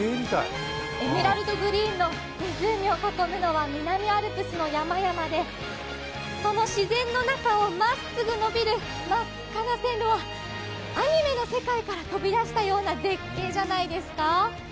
エメラルドグリーンの湖を囲むのは南アルプスの山々でその自然の中を真っ直ぐ延びる真っ赤な線路はアニメの世界から飛び出したような絶景じゃないですか？